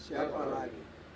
kita memperbaiki rumah kita